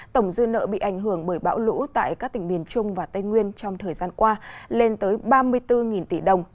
tổng dư nợ bị ảnh hưởng bởi bão lũ tại các tỉnh miền trung và tây nguyên trong thời gian qua lên tới ba mươi bốn tỷ đồng